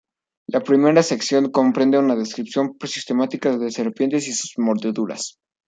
La primera sección comprende una descripción sistemática de serpientes y sus mordeduras.